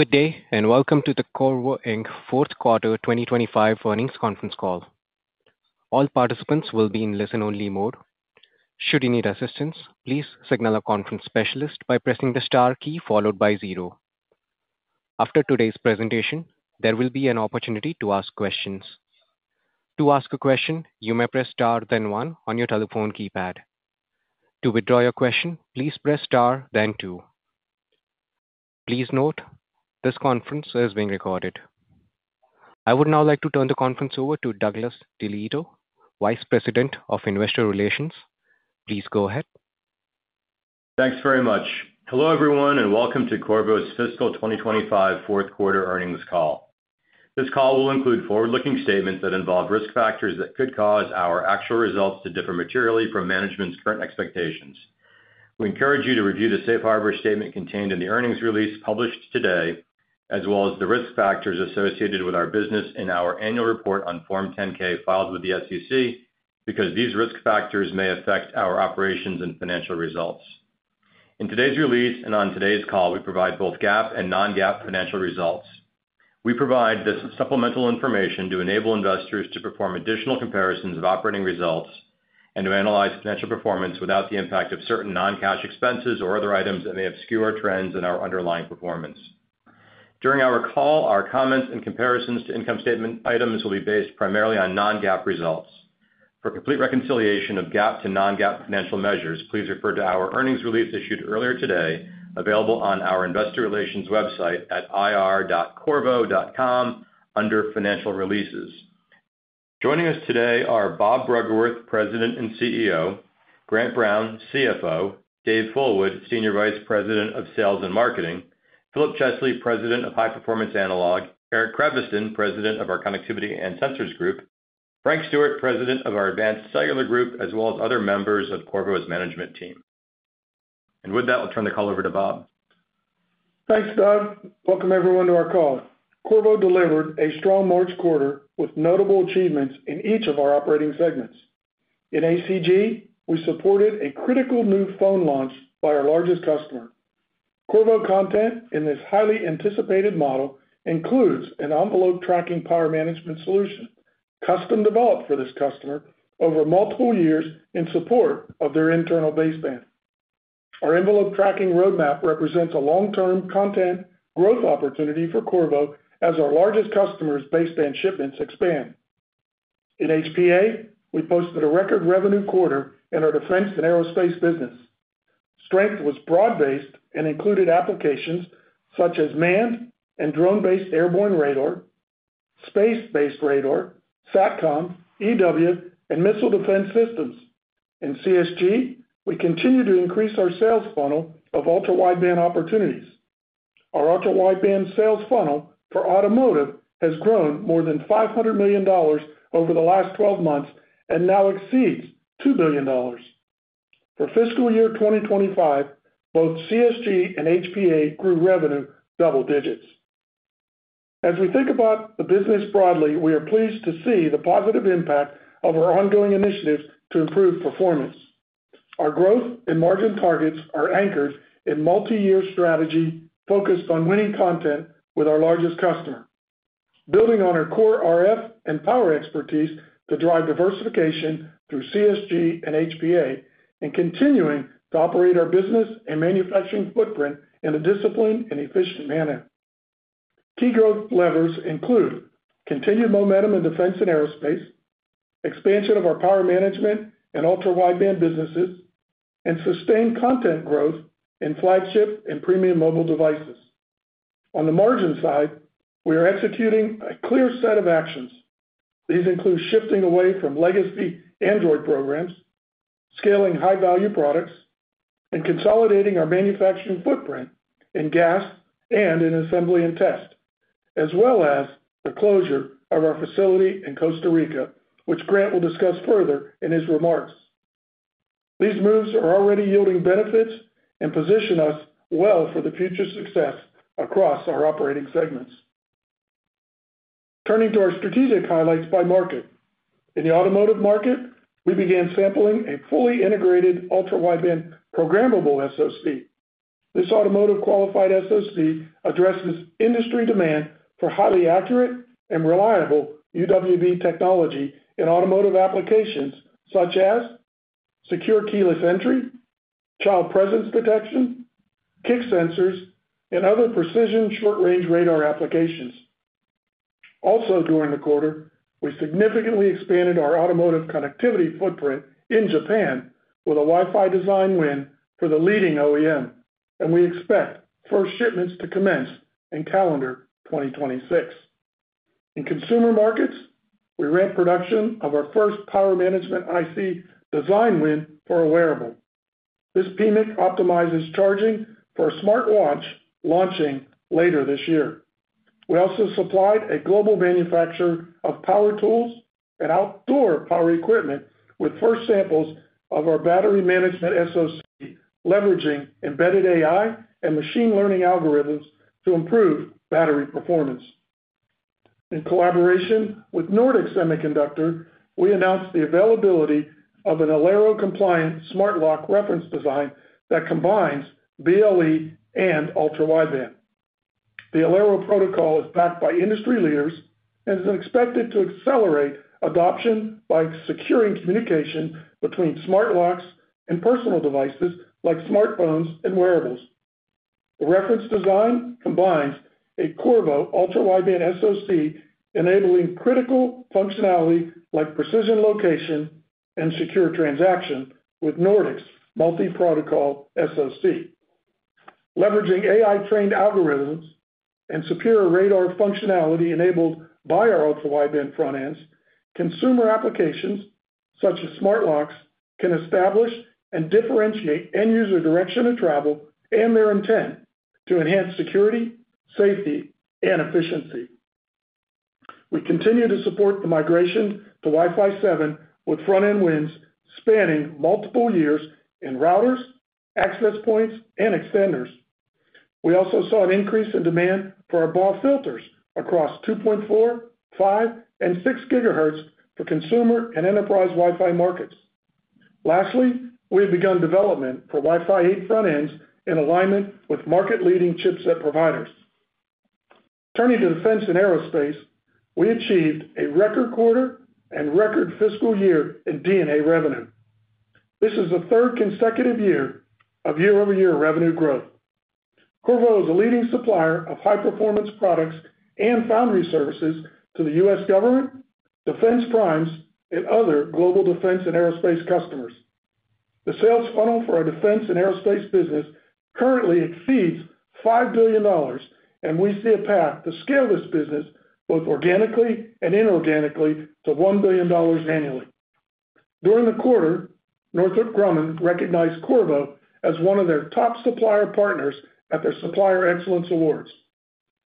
Good day, and welcome to the Qorvo Fourth Quarter 2025 Earnings Conference Call. All participants will be in listen-only mode. Should you need assistance, please signal a conference specialist by pressing the star key followed by zero. After today's presentation, there will be an opportunity to ask questions. To ask a question, you may press star then one on your telephone keypad. To withdraw your question, please press star then two. Please note, this conference is being recorded. I would now like to turn the conference over to Doug DeLieto, Vice President of Investor Relations. Please go ahead. Thanks very much. Hello everyone, and welcome to Qorvo's Fiscal 2025 Fourth Quarter Earnings Call. This call will include forward-looking statements that involve risk factors that could cause our actual results to differ materially from management's current expectations. We encourage you to review the safe harbor statement contained in the earnings release published today, as well as the risk factors associated with our business in our annual report on Form 10-K filed with the SEC, because these risk factors may affect our operations and financial results. In today's release and on today's call, we provide both GAAP and non-GAAP financial results. We provide this supplemental information to enable investors to perform additional comparisons of operating results and to analyze financial performance without the impact of certain non-cash expenses or other items that may obscure trends in our underlying performance. During our call, our comments and comparisons to income statement items will be based primarily on non-GAAP results. For complete reconciliation of GAAP to non-GAAP financial measures, please refer to our earnings release issued earlier today, available on our investor relations website at ir.qorvo.com under financial releases. Joining us today are Bob Bruggeworth, President and CEO, Grant Brown, CFO, Dave Fullwood, Senior Vice President of Sales and Marketing, Philip Chesley, President of High Performance Analog, Eric Creviston, President of our Connectivity and Sensors Group, Frank Stewart, President of our Advanced Cellular Group, as well as other members of Qorvo's management team. With that, I'll turn the call over to Bob. Thanks, Doug. Welcome everyone to our call. Qorvo delivered a strong March quarter with notable achievements in each of our operating segments. In ACG, we supported a critical new phone launch by our largest customer. Qorvo content in this highly anticipated model includes an envelope tracking power management solution, custom developed for this customer over multiple years in support of their internal baseband. Our envelope tracking roadmap represents a long-term content growth opportunity for Qorvo as our largest customer's baseband shipments expand. In HPA, we posted a record revenue quarter in our defense and aerospace business. Strength was broad-based and included applications such as manned and drone-based airborne radar, space-based radar, SATCOM, EW, and missile defense systems. In CSG, we continue to increase our sales funnel of ultra-wideband opportunities. Our ultra-wideband sales funnel for automotive has grown more than $500 million over the last 12 months and now exceeds $2 billion. For fiscal year 2025, both CSG and HPA grew revenue double digits. As we think about the business broadly, we are pleased to see the positive impact of our ongoing initiatives to improve performance. Our growth and margin targets are anchored in multi-year strategy focused on winning content with our largest customer, building on our core RF and power expertise to drive diversification through CSG and HPA, and continuing to operate our business and manufacturing footprint in a disciplined and efficient manner. Key growth levers include continued momentum in defense and aerospace, expansion of our power management and ultra-wideband businesses, and sustained content growth in flagship and premium mobile devices. On the margin side, we are executing a clear set of actions. These include shifting away from legacy Android programs, scaling high-value products, and consolidating our manufacturing footprint in GaAs and in assembly and test, as well as the closure of our facility in Costa Rica, which Grant will discuss further in his remarks. These moves are already yielding benefits and position us well for the future success across our operating segments. Turning to our strategic highlights by market. In the automotive market, we began sampling a fully integrated ultra-wideband programmable SOC. This automotive qualified SOC addresses industry demand for highly accurate and reliable UWB technology in automotive applications such as secure keyless entry, child presence detection, kick sensors, and other precision short-range radar applications. Also, during the quarter, we significantly expanded our automotive connectivity footprint in Japan with a Wi-Fi design win for the leading OEM, and we expect first shipments to commence in calendar 2026. In consumer markets, we ran production of our first power management IC design win for a wearable. This PMIC optimizes charging for a smartwatch launching later this year. We also supplied a global manufacturer of power tools and outdoor power equipment with first samples of our battery management SOC, leveraging embedded AI and machine learning algorithms to improve battery performance. In collaboration with Nordic Semiconductor, we announced the availability of an Aliro-compliant smart lock reference design that combines BLE and ultra-wideband. The Aliro protocol is backed by industry leaders and is expected to accelerate adoption by securing communication between smart locks and personal devices like smartphones and wearables. The reference design combines a Qorvo ultra-wideband SOC, enabling critical functionality like precision location and secure transaction with Nordic's multi-protocol SOC. Leveraging AI-trained algorithms and superior radar functionality enabled by our ultra-wideband front ends, consumer applications such as smart locks can establish and differentiate end-user direction of travel and their intent to enhance security, safety, and efficiency. We continue to support the migration to Wi-Fi 7 with front-end wins spanning multiple years in routers, access points, and extenders. We also saw an increase in demand for our BAW filters across 2.4, 5, and 6 gigahertz for consumer and enterprise Wi-Fi markets. Lastly, we have begun development for Wi-Fi 8 front ends in alignment with market-leading chipset providers. Turning to defense and aerospace, we achieved a record quarter and record fiscal year in D&A revenue. This is the third consecutive year of year-over-year revenue growth. Qorvo is a leading supplier of high-performance products and foundry services to the U.S. government, defense primes, and other global defense and aerospace customers. The sales funnel for our defense and aerospace business currently exceeds $5 billion, and we see a path to scale this business both organically and inorganically to $1 billion annually. During the quarter, Northrop Grumman recognized Qorvo as one of their top supplier partners at their Supplier Excellence Awards.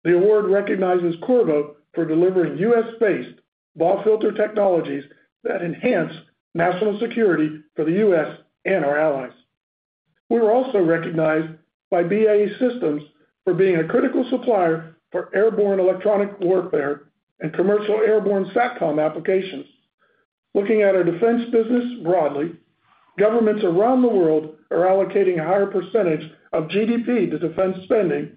The award recognizes Qorvo for delivering U.S.-based BAW filter technologies that enhance national security for the U.S. and our allies. We were also recognized by BAE Systems for being a critical supplier for airborne electronic warfare and commercial airborne SATCOM applications. Looking at our defense business broadly, governments around the world are allocating a higher percentage of GDP to defense spending,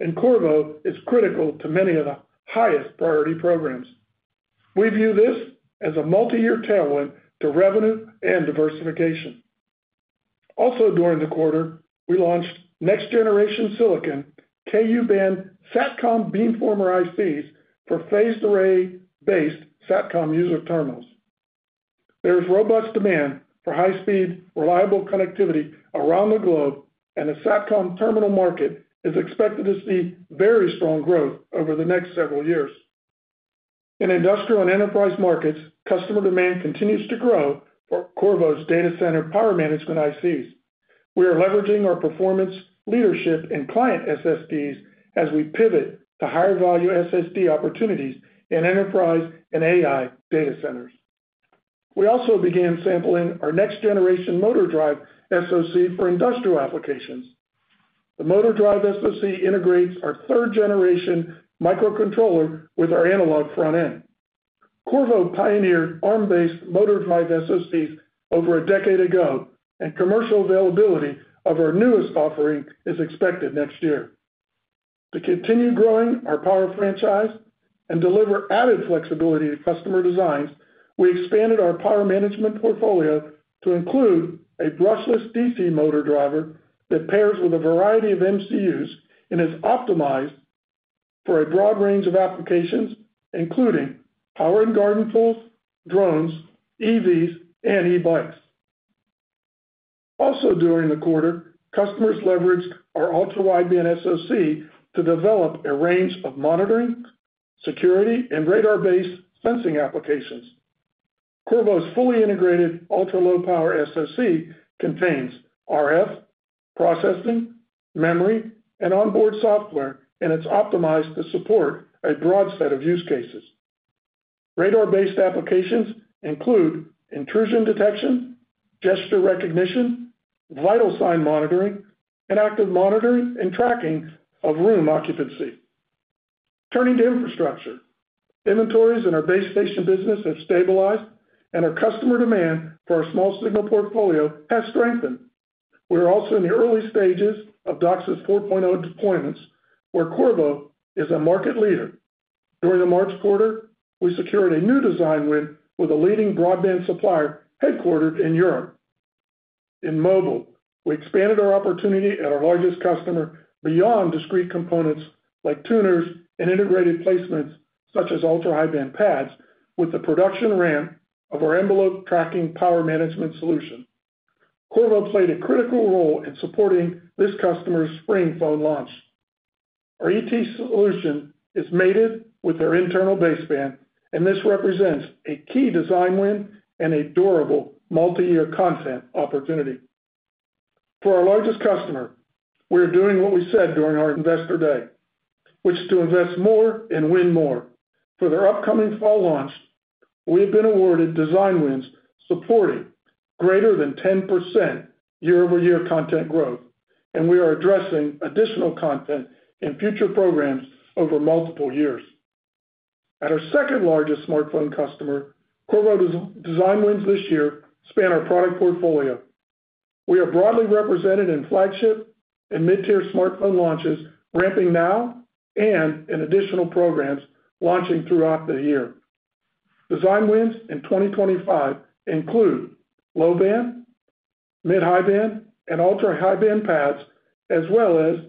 and Qorvo is critical to many of the highest priority programs. We view this as a multi-year tailwind to revenue and diversification. Also, during the quarter, we launched next-generation silicon Ku-band SATCOM beamformer ICs for phased-array-based SATCOM user terminals. There is robust demand for high-speed, reliable connectivity around the globe, and the SATCOM terminal market is expected to see very strong growth over the next several years. In industrial and enterprise markets, customer demand continues to grow for Qorvo's data center power management ICs. We are leveraging our performance leadership and client SSDs as we pivot to higher-value SSD opportunities in enterprise and AI data centers. We also began sampling our next-generation motor drive SOC for industrial applications. The motor drive SOC integrates our third-generation microcontroller with our analog front end. Qorvo pioneered ARM-based motor drive SOCs over a decade ago, and commercial availability of our newest offering is expected next year. To continue growing our power franchise and deliver added flexibility to customer designs, we expanded our power management portfolio to include a brushless DC motor driver that pairs with a variety of MCUs and is optimized for a broad range of applications, including power and garden tools, drones, EVs, and e-bikes. Also, during the quarter, customers leveraged our ultra-wideband SOC to develop a range of monitoring, security, and radar-based sensing applications. Qorvo's fully integrated ultra-low-power SOC contains RF processing, memory, and onboard software, and it's optimized to support a broad set of use cases. Radar-based applications include intrusion detection, gesture recognition, vital sign monitoring, and active monitoring and tracking of room occupancy. Turning to infrastructure, inventories in our base station business have stabilized, and our customer demand for our small signal portfolio has strengthened. We are also in the early stages of DOCSIS 4.0 deployments, where Qorvo is a market leader. During the March quarter, we secured a new design win with a leading broadband supplier headquartered in Europe. In mobile, we expanded our opportunity at our largest customer beyond discrete components like tuners and integrated placements such as ultra-high-band PADs with the production ramp of our envelope tracking power management solution. Qorvo played a critical role in supporting this customer's spring phone launch. Our ET solution is mated with our internal baseband, and this represents a key design win and a durable multi-year content opportunity. For our largest customer, we are doing what we said during our investor day, which is to invest more and win more. For their upcoming fall launch, we have been awarded design wins supporting greater than 10% year-over-year content growth, and we are addressing additional content in future programs over multiple years. At our second-largest smartphone customer, Qorvo's design wins this year span our product portfolio. We are broadly represented in flagship and mid-tier smartphone launches ramping now and in additional programs launching throughout the year. Design wins in 2025 include low-band, mid-high-band, and ultra-high-band PADs, as well as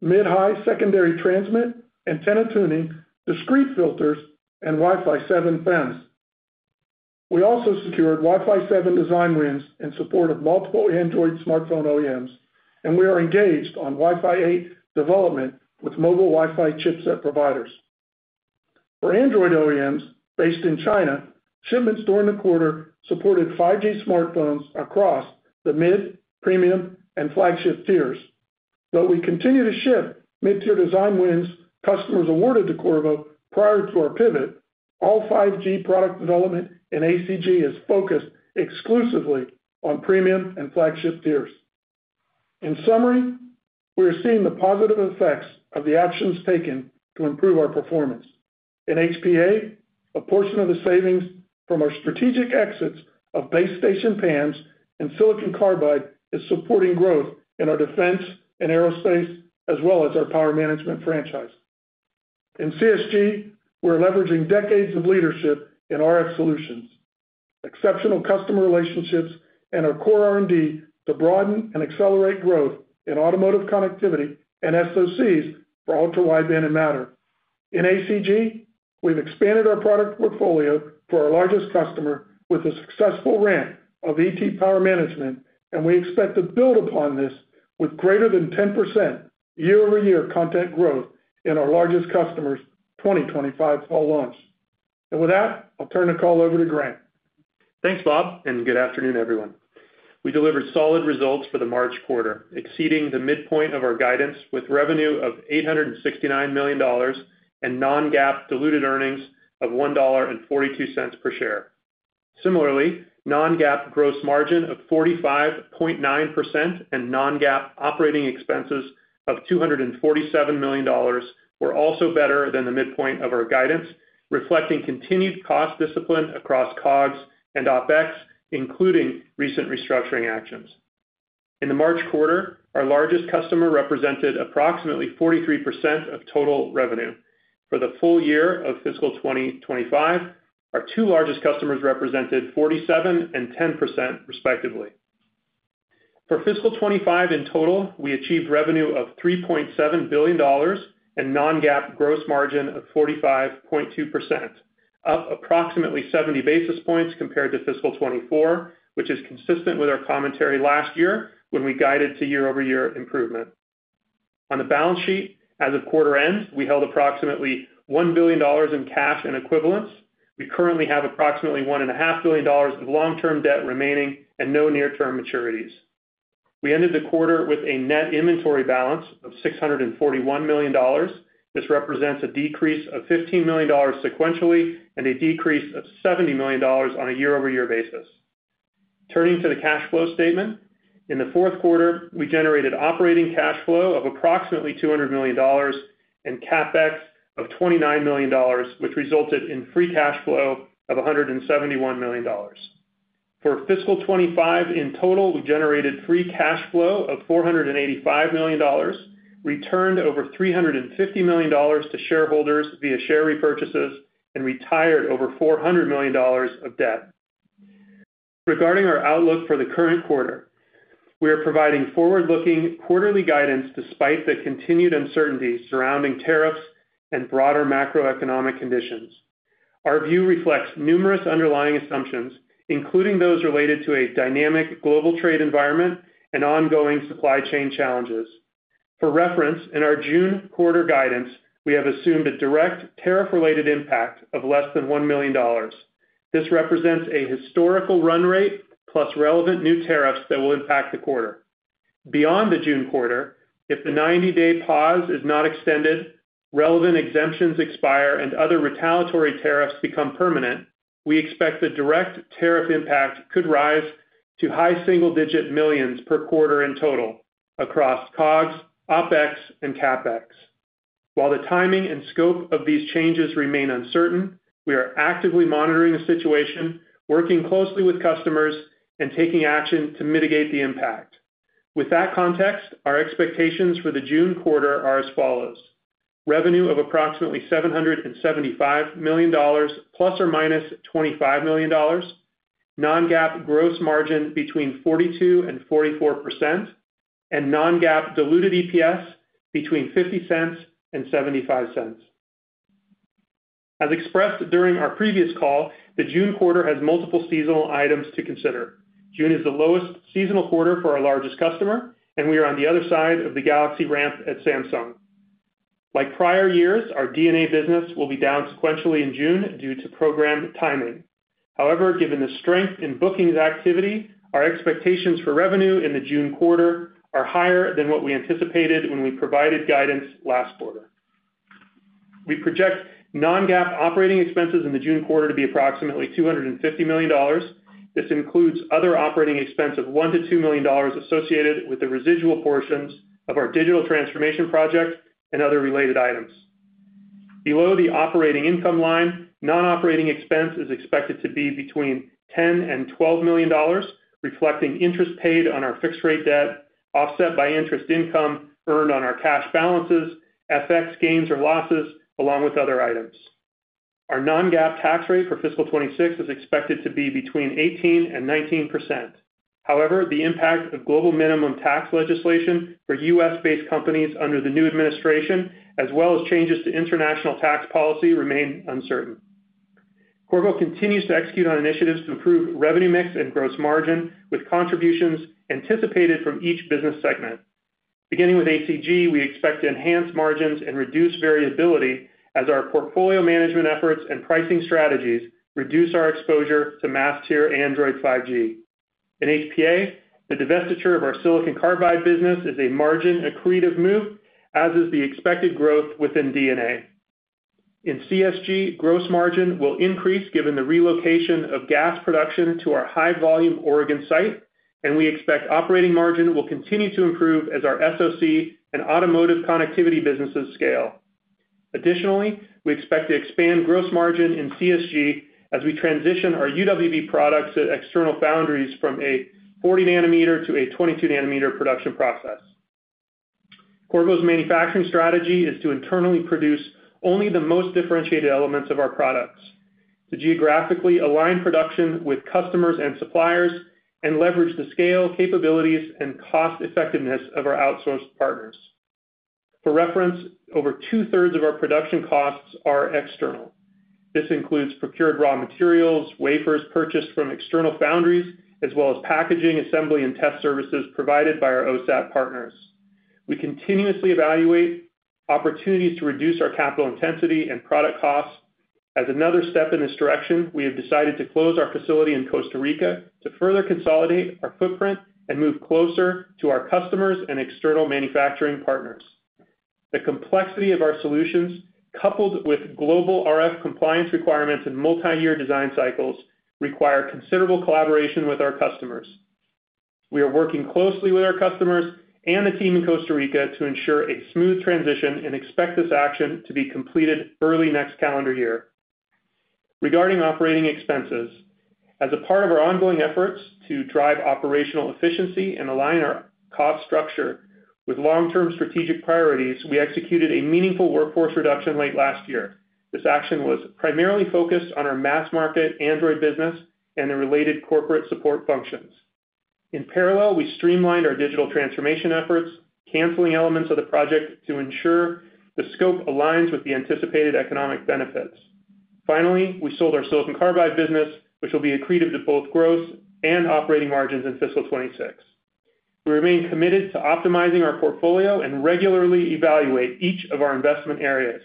mid-high secondary transmit and antenna tuning, discrete filters, and Wi-Fi 7 FEMs. We also secured Wi-Fi 7 design wins in support of multiple Android smartphone OEMs, and we are engaged on Wi-Fi 8 development with mobile Wi-Fi chipset providers. For Android OEMs based in China, shipments during the quarter supported 5G smartphones across the mid, premium, and flagship tiers. Though we continue to ship mid-tier design wins customers awarded to Qorvo prior to our pivot, all 5G product development in ACG is focused exclusively on premium and flagship tiers. In summary, we are seeing the positive effects of the actions taken to improve our performance. In HPA, a portion of the savings from our strategic exits of base station PAs and silicon carbide is supporting growth in our defense and aerospace, as well as our power management franchise. In CSG, we're leveraging decades of leadership in RF solutions, exceptional customer relationships, and our core R&D to broaden and accelerate growth in automotive connectivity and SOCs for ultra-wideband and Matter. In ACG, we've expanded our product portfolio for our largest customer with a successful ramp of ET power management, and we expect to build upon this with greater than 10% year-over-year content growth in our largest customer's 2025 fall launch. With that, I'll turn the call over to Grant. Thanks, Bob, and good afternoon, everyone. We delivered solid results for the March quarter, exceeding the midpoint of our guidance with revenue of $869 million and non-GAAP diluted earnings of $1.42 per share. Similarly, non-GAAP gross margin of 45.9% and non-GAAP operating expenses of $247 million were also better than the midpoint of our guidance, reflecting continued cost discipline across COGS and OpEx, including recent restructuring actions. In the March quarter, our largest customer represented approximately 43% of total revenue. For the full year of fiscal 2025, our two largest customers represented 47% and 10%, respectively. For fiscal 2025, in total, we achieved revenue of $3.7 billion and non-GAAP gross margin of 45.2%, up approximately 70 basis points compared to fiscal 2024, which is consistent with our commentary last year when we guided to year-over-year improvement. On the balance sheet, as of quarter end, we held approximately $1 billion in cash and equivalents. We currently have approximately $1.5 billion of long-term debt remaining and no near-term maturities. We ended the quarter with a net inventory balance of $641 million. This represents a decrease of $15 million sequentially and a decrease of $70 million on a year-over-year basis. Turning to the cash flow statement, in the fourth quarter, we generated operating cash flow of approximately $200 million and CapEx of $29 million, which resulted in free cash flow of $171 million. For fiscal 2025, in total, we generated free cash flow of $485 million, returned over $350 million to shareholders via share repurchases, and retired over $400 million of debt. Regarding our outlook for the current quarter, we are providing forward-looking quarterly guidance despite the continued uncertainty surrounding tariffs and broader macroeconomic conditions. Our view reflects numerous underlying assumptions, including those related to a dynamic global trade environment and ongoing supply chain challenges. For reference, in our June quarter guidance, we have assumed a direct tariff-related impact of less than $1 million. This represents a historical run rate plus relevant new tariffs that will impact the quarter. Beyond the June quarter, if the 90-day pause is not extended, relevant exemptions expire, and other retaliatory tariffs become permanent, we expect the direct tariff impact could rise to high single-digit millions per quarter in total across COGS, OpEx, and CapEx. While the timing and scope of these changes remain uncertain, we are actively monitoring the situation, working closely with customers, and taking action to mitigate the impact. With that context, our expectations for the June quarter are as follows: revenue of approximately $775 million plus or minus $25 million, non-GAAP gross margin between 42% and 44%, and non-GAAP diluted EPS between $0.50 and $0.75. As expressed during our previous call, the June quarter has multiple seasonal items to consider. June is the lowest seasonal quarter for our largest customer, and we are on the other side of the Galaxy ramp at Samsung. Like prior years, our D&A business will be down sequentially in June due to program timing. However, given the strength in bookings activity, our expectations for revenue in the June quarter are higher than what we anticipated when we provided guidance last quarter. We project non-GAAP operating expenses in the June quarter to be approximately $250 million. This includes other operating expense of $1-$2 million associated with the residual portions of our digital transformation project and other related items. Below the operating income line, non-operating expense is expected to be between $10 and $12 million, reflecting interest paid on our fixed-rate debt offset by interest income earned on our cash balances, FX gains, or losses, along with other items. Our non-GAAP tax rate for fiscal 2026 is expected to be between 18%-19%. However, the impact of global minimum tax legislation for U.S.-based companies under the new administration, as well as changes to international tax policy, remains uncertain. Qorvo continues to execute on initiatives to improve revenue mix and gross margin with contributions anticipated from each business segment. Beginning with ACG, we expect to enhance margins and reduce variability as our portfolio management efforts and pricing strategies reduce our exposure to mass-tier Android 5G. In HPA, the divestiture of our silicon carbide business is a margin accretive move, as is the expected growth within D&A. In CSG, gross margin will increase given the relocation of GaAs production to our high-volume Oregon site, and we expect operating margin will continue to improve as our SOC and automotive connectivity businesses scale. Additionally, we expect to expand gross margin in CSG as we transition our UWB products to external foundries from a 40-nanometer to a 22-nanometer production process. Qorvo's manufacturing strategy is to internally produce only the most differentiated elements of our products, to geographically align production with customers and suppliers, and leverage the scale, capabilities, and cost-effectiveness of our outsourced partners. For reference, over two-thirds of our production costs are external. This includes procured raw materials, wafers purchased from external foundries, as well as packaging, assembly, and test services provided by our OSAT partners. We continuously evaluate opportunities to reduce our capital intensity and product costs. As another step in this direction, we have decided to close our facility in Costa Rica to further consolidate our footprint and move closer to our customers and external manufacturing partners. The complexity of our solutions, coupled with global RF compliance requirements and multi-year design cycles, require considerable collaboration with our customers. We are working closely with our customers and the team in Costa Rica to ensure a smooth transition and expect this action to be completed early next calendar year. Regarding operating expenses, as a part of our ongoing efforts to drive operational efficiency and align our cost structure with long-term strategic priorities, we executed a meaningful workforce reduction late last year. This action was primarily focused on our mass-market Android business and the related corporate support functions. In parallel, we streamlined our digital transformation efforts, canceling elements of the project to ensure the scope aligns with the anticipated economic benefits. Finally, we sold our silicon carbide business, which will be accretive to both gross and operating margins in fiscal 2026. We remain committed to optimizing our portfolio and regularly evaluate each of our investment areas.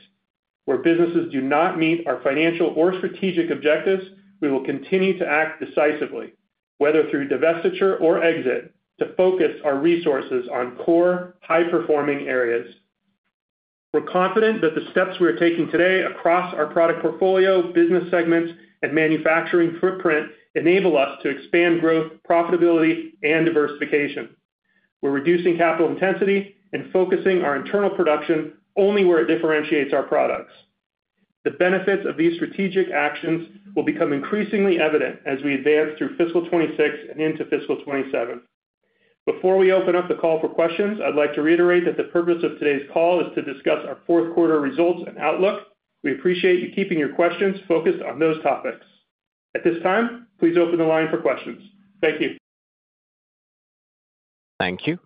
Where businesses do not meet our financial or strategic objectives, we will continue to act decisively, whether through divestiture or exit, to focus our resources on core high-performing areas. We're confident that the steps we're taking today across our product portfolio, business segments, and manufacturing footprint enable us to expand growth, profitability, and diversification. We're reducing capital intensity and focusing our internal production only where it differentiates our products. The benefits of these strategic actions will become increasingly evident as we advance through fiscal 2026 and into fiscal 2027. Before we open up the call for questions, I'd like to reiterate that the purpose of today's call is to discuss our fourth quarter results and outlook. We appreciate you keeping your questions focused on those topics. At this time, please open the line for questions. Thank you. Thank you.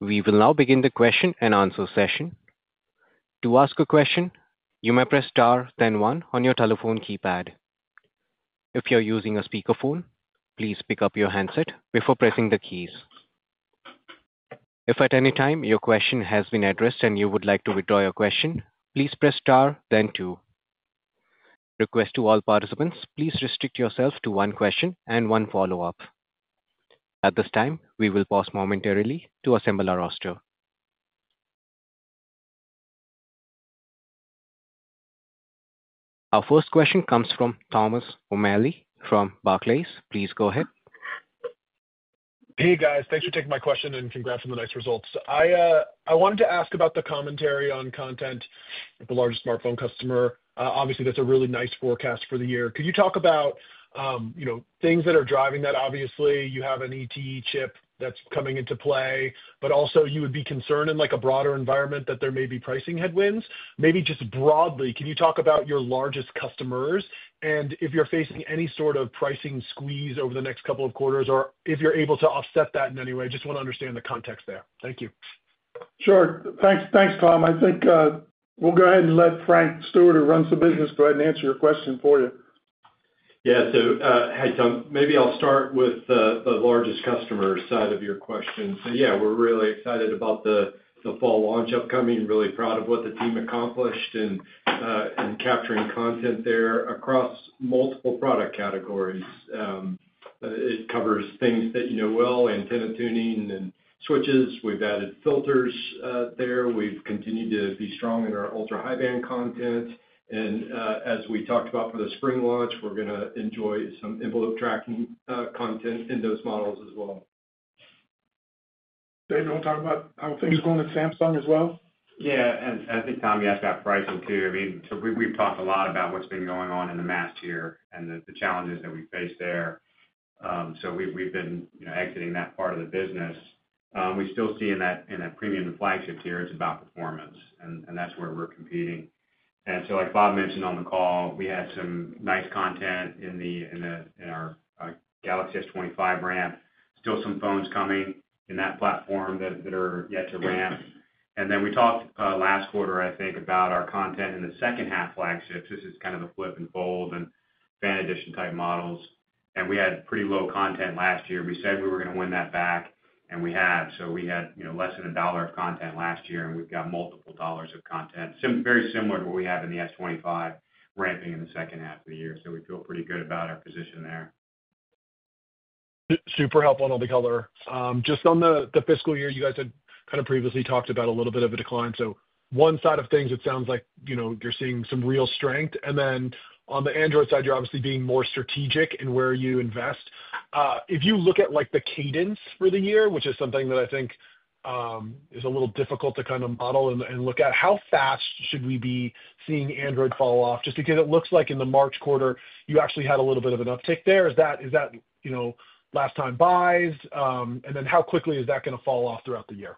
We will now begin the question and answer session. To ask a question, you may press star, then one on your telephone keypad. If you're using a speakerphone, please pick up your handset before pressing the keys. If at any time your question has been addressed and you would like to withdraw your question, please press star, then two. Request to all participants, please restrict yourself to one question and one follow-up. At this time, we will pause momentarily to assemble our roster. Our first question comes from Thomas O'Malley from Barclays. Please go ahead. Hey, guys. Thanks for taking my question and congrats on the nice results. I wanted to ask about the commentary on content. The largest smartphone customer. Obviously, that's a really nice forecast for the year. Could you talk about things that are driving that? Obviously, you have an ET chip that's coming into play, but also you would be concerned in a broader environment that there may be pricing headwinds. Maybe just broadly, can you talk about your largest customers and if you're facing any sort of pricing squeeze over the next couple of quarters or if you're able to offset that in any way? Just want to understand the context there. Thank you. Sure. Thanks, Tom. I think we'll go ahead and let Frank Stewart, who runs the business, go ahead and answer your question for you. Yeah. Hi, Tom. Maybe I'll start with the largest customer side of your question. Yeah, we're really excited about the fall launch upcoming. Really proud of what the team accomplished in capturing content there across multiple product categories. It covers things that you know well and tenant tuning and switches. We've added filters there. We've continued to be strong in our ultra-high-band content. As we talked about for the spring launch, we're going to enjoy some envelope tracking content in those models as well. Dave, you want to talk about how things are going at Samsung as well? Yeah. As I said, Tom, you asked about pricing too. I mean, we've talked a lot about what's been going on in the mass tier and the challenges that we face there. We've been exiting that part of the business. We still see in that premium flagship tier, it's about performance, and that's where we're competing. Like Bob mentioned on the call, we had some nice content in our Galaxy S25 ramp. Still some phones coming in that platform that are yet to ramp. We talked last quarter, I think, about our content in the second-half flagships. This is kind of the flip and fold and Fan Edition type models. We had pretty low content last year. We said we were going to win that back, and we have. We had less than $1 of content last year, and we've got multiple dollars of content. Very similar to what we have in the S25 ramping in the second half of the year. We feel pretty good about our position there. Super helpful on all the color. Just on the fiscal year, you guys had kind of previously talked about a little bit of a decline. One side of things, it sounds like you're seeing some real strength. Then on the Android side, you're obviously being more strategic in where you invest. If you look at the cadence for the year, which is something that I think is a little difficult to kind of model and look at, how fast should we be seeing Android fall off? Just because it looks like in the March quarter, you actually had a little bit of an uptick there. Is that last-time buys? How quickly is that going to fall off throughout the year?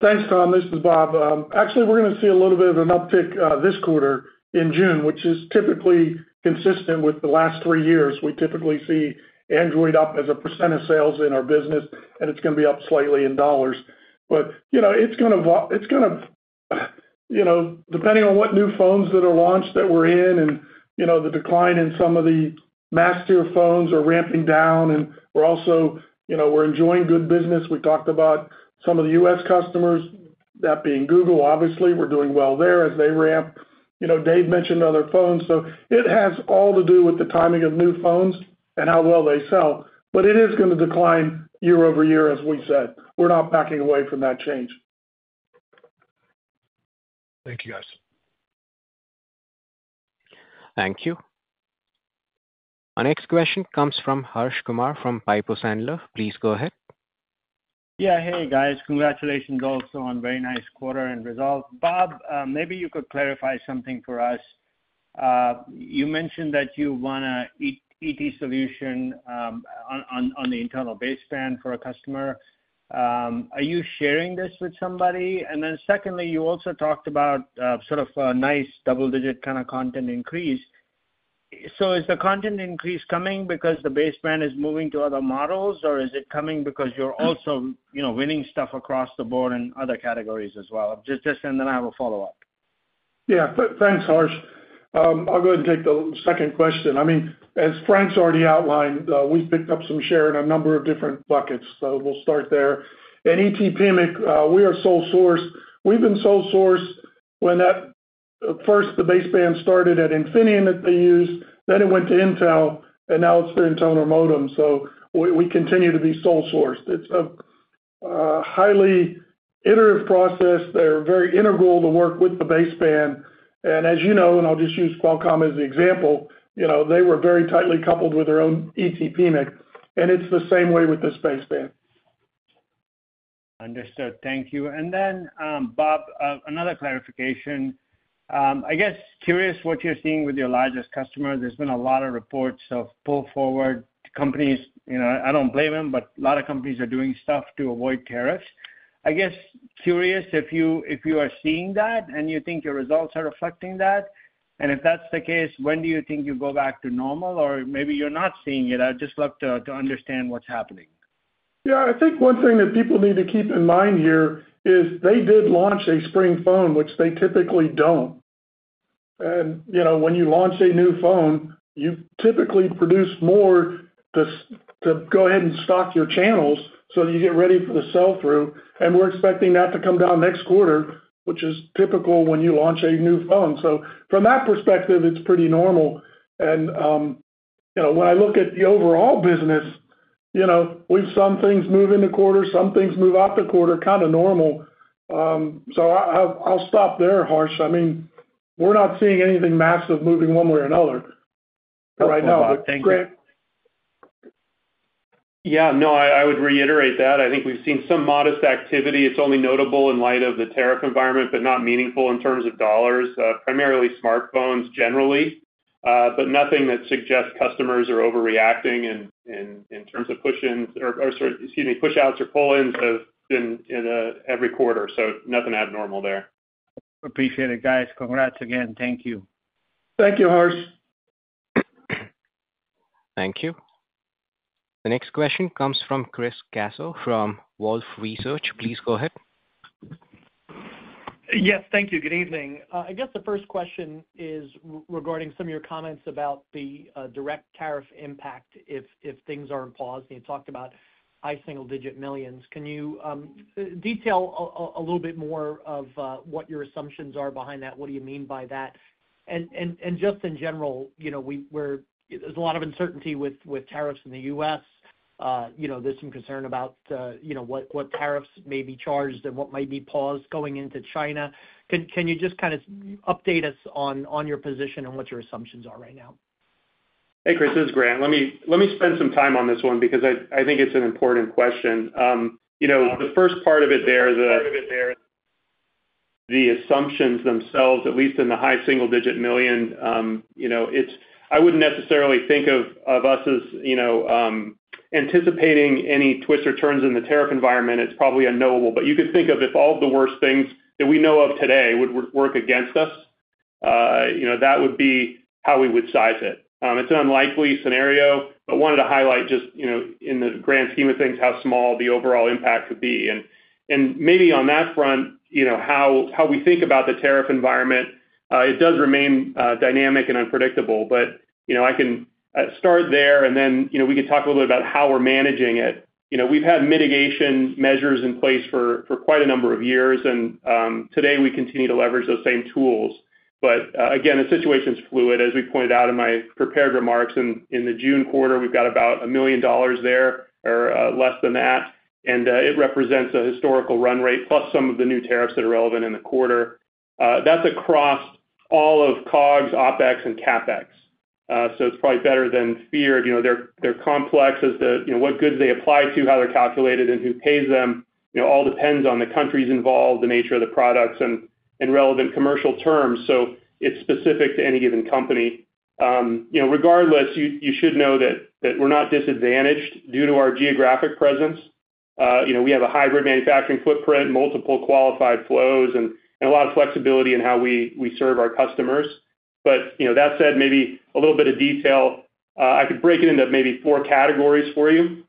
Thanks, Tom. This is Bob. Actually, we're going to see a little bit of an uptick this quarter in June, which is typically consistent with the last three years. We typically see Android up as a % of sales in our business, and it's going to be up slightly in dollars. It's going to, depending on what new phones that are launched that we're in and the decline in some of the mass-tier phones are ramping down. We're also enjoying good business. We talked about some of the U.S. customers, that being Google, obviously. We're doing well there as they ramp. Dave mentioned other phones. It has all to do with the timing of new phones and how well they sell. It is going to decline year over year, as we said. We're not backing away from that change. Thank you, guys. Thank you. Our next question comes from Harsh Kumar from Piper Sandler. Please go ahead. Yeah. Hey, guys. Congratulations also on very nice quarter and results. Bob, maybe you could clarify something for us. You mentioned that you want an ET solution on the internal baseband for a customer. Are you sharing this with somebody? You also talked about sort of a nice double-digit kind of content increase. Is the content increase coming because the baseband is moving to other models, or is it coming because you're also winning stuff across the board in other categories as well? Just send another follow-up. Yeah. Thanks, Harsh. I'll go ahead and take the second question. I mean, as Frank's already outlined, we've picked up some share in a number of different buckets. We'll start there. In ET PMIC, we are sole sourced. We've been sole sourced when that first, the baseband started at Infineon that they used. Then it went to Intel, and now it's their internal modem. We continue to be sole sourced. It's a highly iterative process. They're very integral to work with the baseband. And as you know, I'll just use Qualcomm as an example, they were very tightly coupled with their own ET PMIC. It's the same way with this baseband. Understood. Thank you. Then, Bob, another clarification. I guess curious what you're seeing with your largest customers. There's been a lot of reports of pull forward companies. I don't blame them, but a lot of companies are doing stuff to avoid tariffs. I guess curious if you are seeing that and you think your results are reflecting that. If that's the case, when do you think you go back to normal? Or maybe you're not seeing it. I'd just love to understand what's happening. Yeah. I think one thing that people need to keep in mind here is they did launch a spring phone, which they typically do not. When you launch a new phone, you typically produce more to go ahead and stock your channels so that you get ready for the sell-through. We are expecting that to come down next quarter, which is typical when you launch a new phone. From that perspective, it is pretty normal. When I look at the overall business, we have seen some things move in the quarter, some things move out the quarter, kind of normal. I will stop there, Harsh. I mean, we are not seeing anything massive moving one way or another right now. Thank you. Yeah. No, I would reiterate that. I think we have seen some modest activity. It's only notable in light of the tariff environment, but not meaningful in terms of dollars, primarily smartphones generally, but nothing that suggests customers are overreacting in terms of push-ins or, excuse me, push-outs or pull-ins have been every quarter. Nothing abnormal there. Appreciate it, guys. Congrats again. Thank you. Thank you, Harsh. Thank you. The next question comes from Chris Caso from Wolfe Research. Please go ahead. Yes. Thank you. Good evening. I guess the first question is regarding some of your comments about the direct tariff impact if things are in pause. You talked about high single-digit millions. Can you detail a little bit more of what your assumptions are behind that? What do you mean by that? In general, there is a lot of uncertainty with tariffs in the U.S. There's some concern about what tariffs may be charged and what might be paused going into China. Can you just kind of update us on your position and what your assumptions are right now? Hey, Chris, this is Grant. Let me spend some time on this one because I think it's an important question. The first part of it there is the assumptions themselves, at least in the high single-digit million. I wouldn't necessarily think of us as anticipating any twists or turns in the tariff environment. It's probably unknowable. You could think of if all of the worst things that we know of today would work against us, that would be how we would size it. It's an unlikely scenario, but wanted to highlight just in the grand scheme of things how small the overall impact could be. Maybe on that front, how we think about the tariff environment, it does remain dynamic and unpredictable. I can start there, and then we can talk a little bit about how we're managing it. We've had mitigation measures in place for quite a number of years, and today we continue to leverage those same tools. The situation's fluid, as we pointed out in my prepared remarks. In the June quarter, we've got about $1 million there or less than that. It represents a historical run rate, plus some of the new tariffs that are relevant in the quarter. That's across all of COGS, OpEx, and CapEx. It's probably better than feared. They're complex as to what goods they apply to, how they're calculated, and who pays them. All depends on the countries involved, the nature of the products, and relevant commercial terms. It is specific to any given company. Regardless, you should know that we are not disadvantaged due to our geographic presence. We have a hybrid manufacturing footprint, multiple qualified flows, and a lot of flexibility in how we serve our customers. That said, maybe a little bit of detail. I could break it into maybe four categories for you.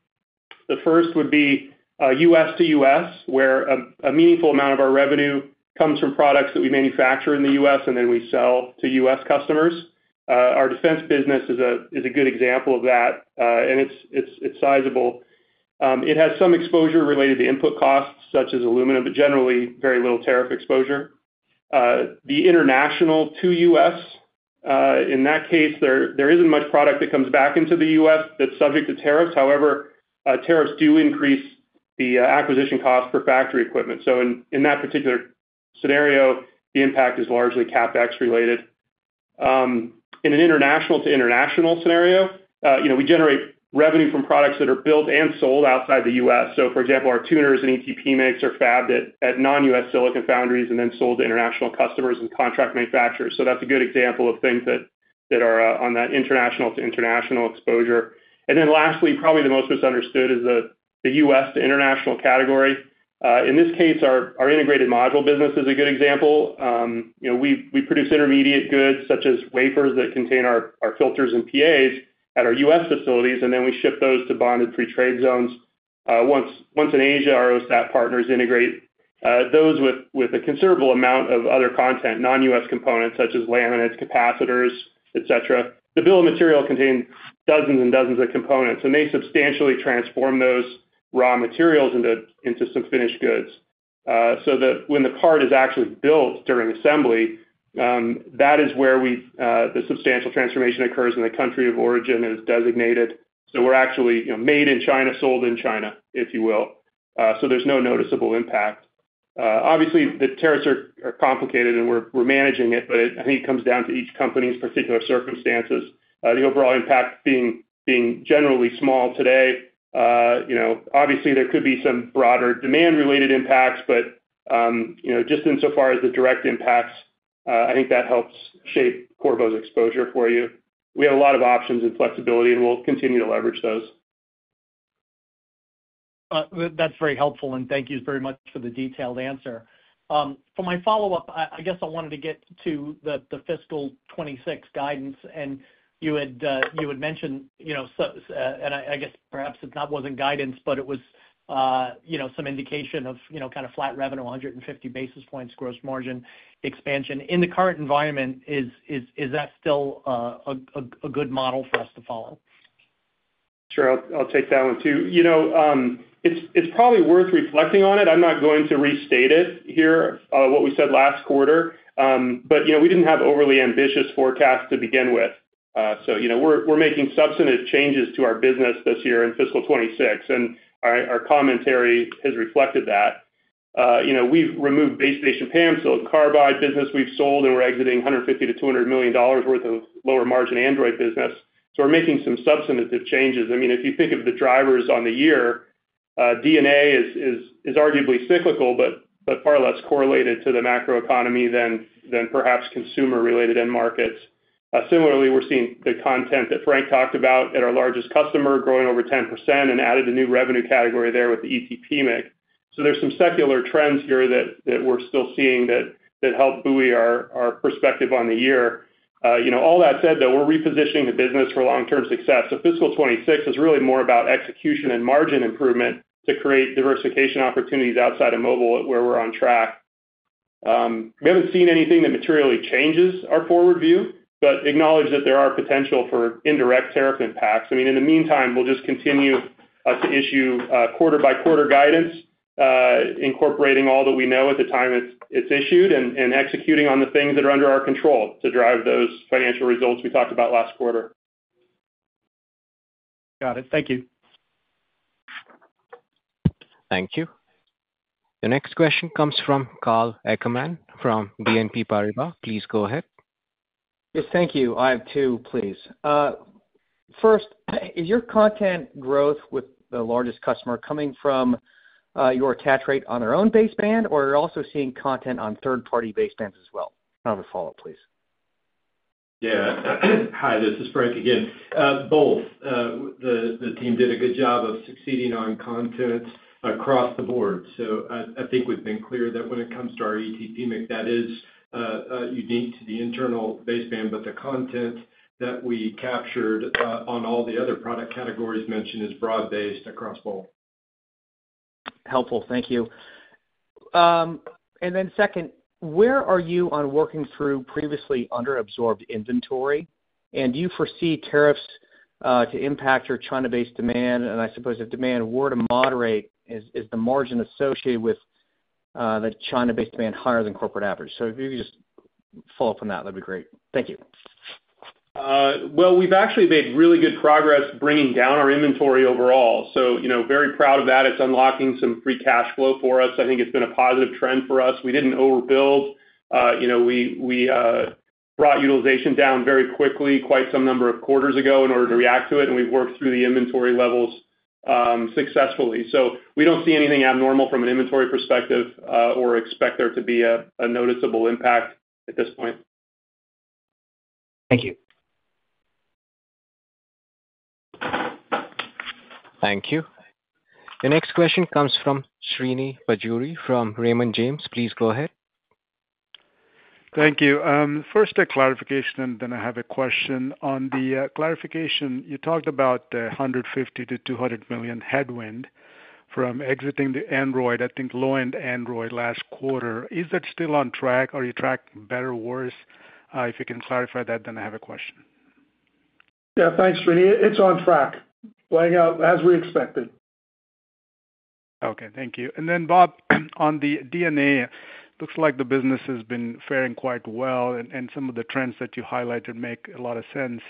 The first would be U.S. to U.S., where a meaningful amount of our revenue comes from products that we manufacture in the U.S., and then we sell to U.S. customers. Our defense business is a good example of that, and it is sizable. It has some exposure related to input costs, such as aluminum, but generally very little tariff exposure. The international to U.S., in that case, there is not much product that comes back into the U.S. that is subject to tariffs. However, tariffs do increase the acquisition costs for factory equipment. In that particular scenario, the impact is largely CapEx-related. In an international to international scenario, we generate revenue from products that are built and sold outside the U.S. For example, our tuners and ET PMICs are fabbed at non-U.S. silicon foundries and then sold to international customers and contract manufacturers. That is a good example of things that are on that international to international exposure. Lastly, probably the most misunderstood is the U.S. to international category. In this case, our integrated module business is a good example. We produce intermediate goods such as wafers that contain our filters and PAs at our U.S. facilities, and then we ship those to bonded free trade zones. Once in Asia, our OSAT partners integrate those with a considerable amount of other content, non-U.S. components such as laminates, capacitors, etc. The bill of material contains dozens and dozens of components, and they substantially transform those raw materials into some finished goods. That is where the substantial transformation occurs in the country of origin as designated when the part is actually built during assembly. We're actually made in China, sold in China, if you will. There is no noticeable impact. Obviously, the tariffs are complicated, and we're managing it, but I think it comes down to each company's particular circumstances. The overall impact being generally small today. Obviously, there could be some broader demand-related impacts, but just in so far as the direct impacts, I think that helps shape Qorvo's exposure for you. We have a lot of options and flexibility, and we'll continue to leverage those. That's very helpful, and thank you very much for the detailed answer. For my follow-up, I guess I wanted to get to the fiscal 2026 guidance. You had mentioned, and I guess perhaps it was not guidance, but it was some indication of kind of flat revenue, 150 basis points gross margin expansion. In the current environment, is that still a good model for us to follow? Sure. I'll take that one too. It is probably worth reflecting on it. I'm not going to restate it here, what we said last quarter, but we did not have overly ambitious forecasts to begin with. We are making substantive changes to our business this year in fiscal 2026, and our commentary has reflected that. We have removed base station PAs and silicon carbide business. We have sold, and we are exiting $150 million-$200 million worth of lower margin Android business. We are making some substantive changes. I mean, if you think of the drivers on the year, D&A is arguably cyclical, but far less correlated to the macroeconomy than perhaps consumer-related end markets. Similarly, we're seeing the content that Frank talked about at our largest customer growing over 10% and added a new revenue category there with the ET PMIC. There are some secular trends here that we're still seeing that help buoy our perspective on the year. All that said, we're repositioning the business for long-term success. Fiscal 2026 is really more about execution and margin improvement to create diversification opportunities outside of mobile where we're on track. We haven't seen anything that materially changes our forward view, but acknowledge that there are potential for indirect tariff impacts. I mean, in the meantime, we'll just continue to issue quarter-by-quarter guidance, incorporating all that we know at the time it's issued and executing on the things that are under our control to drive those financial results we talked about last quarter. Got it. Thank you. Thank you. The next question comes from Karl Ackerman from BNP Paribas. Please go ahead. Yes. Thank you. I have two, please. First, is your content growth with the largest customer coming from your attach rate on their own baseband, or are you also seeing content on third-party basebands as well? Another follow-up, please. Yeah. Hi, this is Frank again. Both. The team did a good job of succeeding on content across the board. I think we've been clear that when it comes to our ET PMIC, that is unique to the internal baseband, but the content that we captured on all the other product categories mentioned is broad-based across both. Helpful. Thank you. Where are you on working through previously under absorbed inventory? Do you foresee tariffs to impact your China-based demand? I suppose if demand were to moderate, is the margin associated with the China-based demand higher than corporate average? If you could just follow up on that, that'd be great. Thank you. We've actually made really good progress bringing down our inventory overall. Very proud of that. It's unlocking some free cash flow for us. I think it's been a positive trend for us. We didn't overbuild. We brought utilization down very quickly, quite some number of quarters ago in order to react to it, and we've worked through the inventory levels successfully. We don't see anything abnormal from an inventory perspective or expect there to be a noticeable impact at this point. Thank you. Thank you. The next question comes from Srini Pajjuri from Raymond James. Please go ahead. Thank you. First, a clarification, and then I have a question on the clarification. You talked about the $150 million-$200 million headwind from exiting the Android, I think low-end Android last quarter. Is that still on track? Are you tracking better or worse? If you can clarify that, then I have a question. Yeah. Thanks, Srini. It's on track, playing out as we expected. Okay. Thank you. Then, Bob, on the D&A, looks like the business has been faring quite well, and some of the trends that you highlighted make a lot of sense.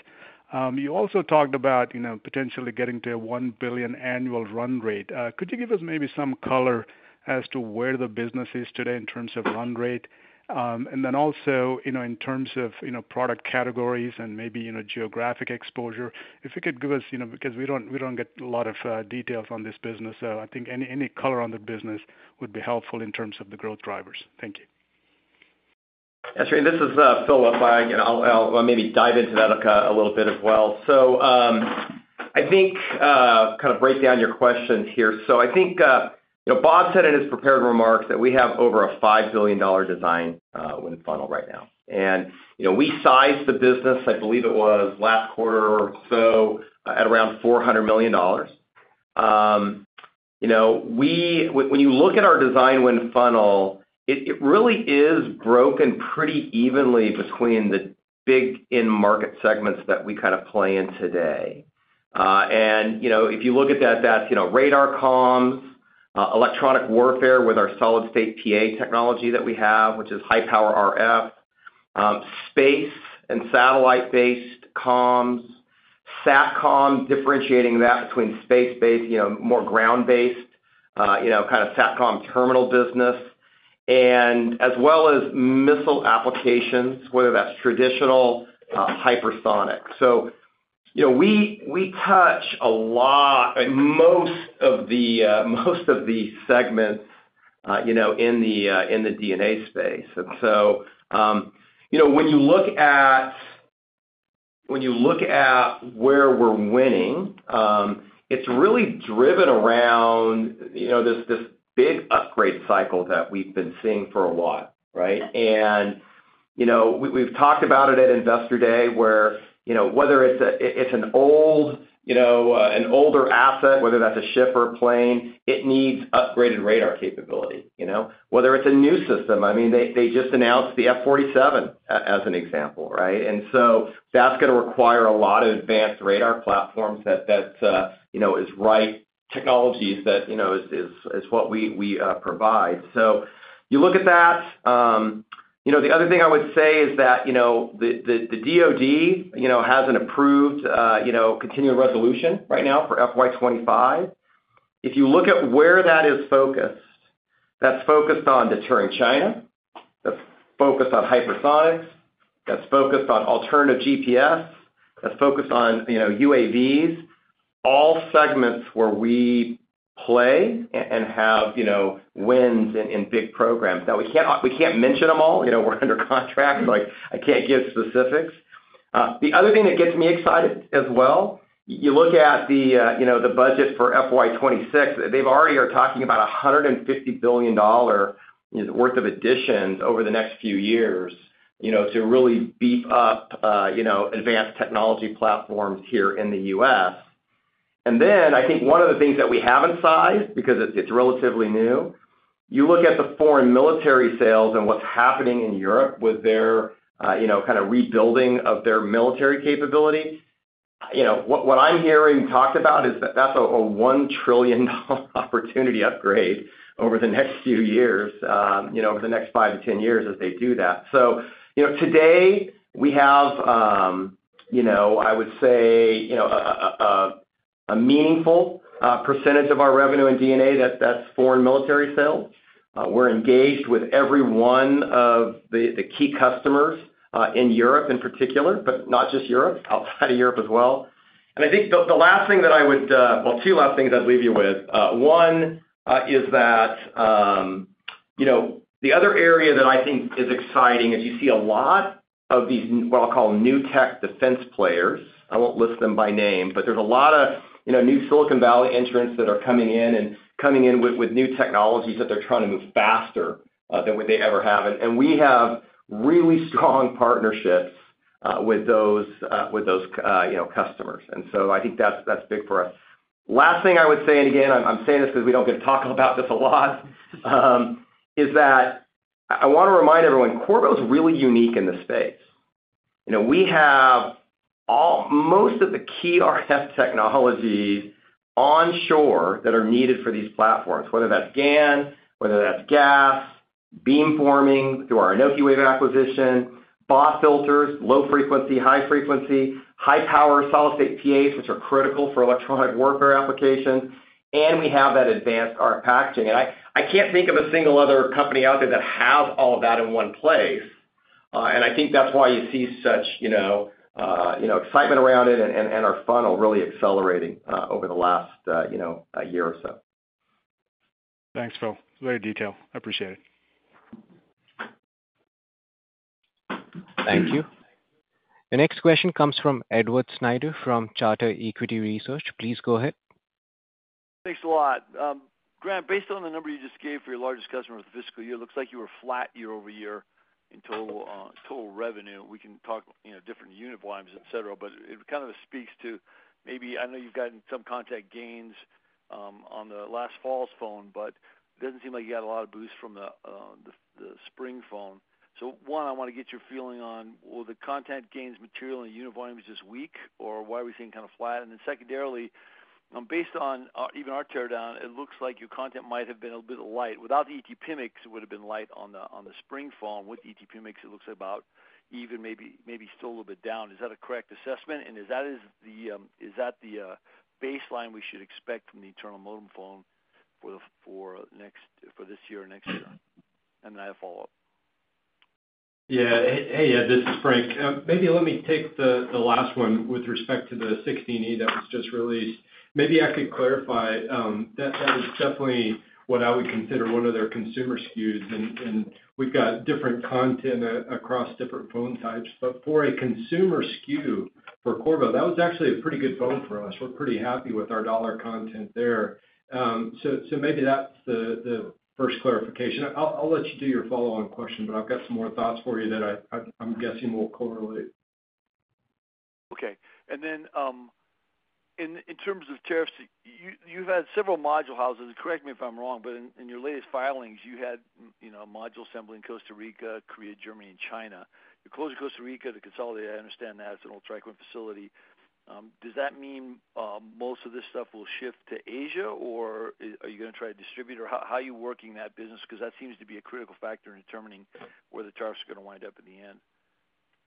You also talked about potentially getting to a $1 billion annual run rate. Could you give us maybe some color as to where the business is today in terms of run rate? Also in terms of product categories and maybe geographic exposure, if you could give us because we do not get a lot of details on this business. I think any color on the business would be helpful in terms of the growth drivers. Thank you. Yeah. Srini, this is Philip Chesley. I'll maybe dive into that a little bit as well. I think kind of break down your question here. I think Bob said in his prepared remarks that we have over a $5 billion design win funnel right now. We sized the business, I believe it was last quarter or so, at around $400 million. When you look at our design win funnel, it really is broken pretty evenly between the big end market segments that we kind of play in today. If you look at that, that's radar comms, electronic warfare with our solid-state PA technology that we have, which is high power RF, space and satellite-based comms, SATCOM, differentiating that between space-based, more ground-based kind of SATCOM terminal business, as well as missile applications, whether that's traditional, hypersonic. We touch a lot of most of the segments in the D&A space. When you look at where we're winning, it's really driven around this big upgrade cycle that we've been seeing for a while, right? We've talked about it at investor day, where whether it's an older asset, whether that's a ship or a plane, it needs upgraded radar capability. Whether it's a new system, I mean, they just announced the F-47 as an example, right? That's going to require a lot of advanced radar platforms, that is right technologies, that is what we provide. You look at that. The other thing I would say is that the DOD has an approved continual resolution right now for FY2025. If you look at where that is focused, that's focused on deterring China, that's focused on hypersonics, that's focused on alternative GPS, that's focused on UAVs, all segments where we play and have wins in big programs. Now, we can't mention them all. We're under contract. I can't give specifics. The other thing that gets me excited as well, you look at the budget for FY 2026, they already are talking about $150 billion worth of additions over the next few years to really beef up advanced technology platforms here in the U.S. I think one of the things that we haven't sized, because it's relatively new, you look at the foreign military sales and what's happening in Europe with their kind of rebuilding of their military capability. What I'm hearing talked about is that that's a $1 trillion opportunity upgrade over the next few years, over the next 5-10 years as they do that. Today, we have, I would say, a meaningful percentage of our revenue in D&A that's foreign military sales. We're engaged with every one of the key customers in Europe in particular, but not just Europe, outside of Europe as well. I think the last thing that I would, well, two last things I'd leave you with. One is that the other area that I think is exciting is you see a lot of these what I'll call new tech defense players. I won't list them by name, but there's a lot of new Silicon Valley entrants that are coming in and coming in with new technologies that they're trying to move faster than what they ever have. We have really strong partnerships with those customers. I think that's big for us. Last thing I would say, and again, I'm saying this because we don't get to talk about this a lot, is that I want to remind everyone, Qorvo is really unique in this space. We have most of the key RF technology onshore that are needed for these platforms, whether that's GaN, whether that's GaAs, beamforming through our Anokiwave acquisition, BAW filters, low frequency, high frequency, high power solid-state PAs, which are critical for electronic warfare applications, and we have that advanced RF packaging. I can't think of a single other company out there that has all of that in one place. I think that's why you see such excitement around it and our funnel really accelerating over the last year or so. Thanks, Phil. It's very detailed. I appreciate it. Thank you. The next question comes from Edward Snyder from Charter Equity Research. Please go ahead. Thanks a lot. Grant, based on the number you just gave for your largest customer with the fiscal year, it looks like you were flat year over year in total revenue. We can talk different unit volumes, etc., but it kind of speaks to maybe I know you've gotten some content gains on the last fall's phone, but it doesn't seem like you got a lot of boost from the spring phone. One, I want to get your feeling on, were the content gains material and unit volumes just weak, or why are we seeing kind of flat? Secondarily, based on even our tear down, it looks like your content might have been a little bit light. Without the ET PMIC, it would have been light on the spring phone. With the ET PMIC, it looks about even, maybe still a little bit down. Is that a correct assessment? Is that the baseline we should expect from the internal modem phone for this year or next year? I have a follow-up. Yeah. Hey, Ed. This is Frank. Maybe let me take the last one with respect to the SE that was just released. Maybe I could clarify. That is definitely what I would consider one of their consumer SKUs. We have different content across different phone types. For a consumer SKU for Qorvo, that was actually a pretty good phone for us. We are pretty happy with our dollar content there. Maybe that is the first clarification. I'll let you do your follow-on question, but I've got some more thoughts for you that I'm guessing will correlate. Okay. In terms of tariffs, you've had several module houses. Correct me if I'm wrong, but in your latest filings, you had module assembly in Costa Rica, Korea, Germany, and China. You're closer to Costa Rica to consolidate. I understand that. It's an old TriQuint facility. Does that mean most of this stuff will shift to Asia, or are you going to try to distribute? How are you working that business? That seems to be a critical factor in determining where the tariffs are going to wind up in the end.